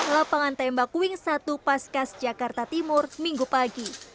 lapangan tembak wing satu paskas jakarta timur minggu pagi